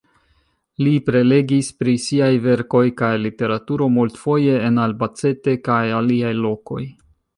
Li prelegis pri siaj verkoj kaj literaturo multfoje en Albacete kaj aliaj lokoj.